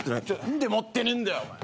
何で持ってねえんだよお前。